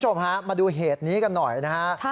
คุณผู้ชมฮะมาดูเหตุนี้กันหน่อยนะฮะ